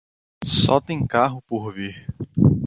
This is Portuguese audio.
Só tem carro por vir